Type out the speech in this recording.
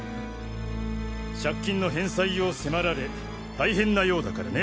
借金の返済を迫られ大変なようだからね